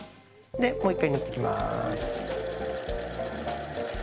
でもう一回縫っていきます。